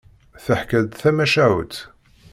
Teḥka-d tamacahut.